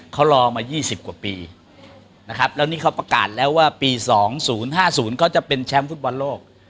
เขารอมายี่สิบกว่าปีนะครับแล้วนี่เขาประกาศแล้วว่าปีสองศูนย์ห้าศูนย์เขาจะเป็นแชมป์ฟุตบอลโลก